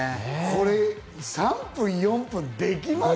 これ３分、４分できます？